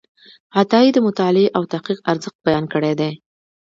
عطایي د مطالعې او تحقیق ارزښت بیان کړی دی.